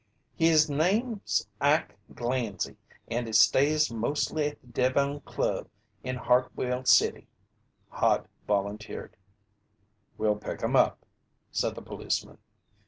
"His name's Ike Glanzy and he stays mostly at the Devon Club in Hartwell City," Hod volunteered. "We'll pick him up," said the policeman.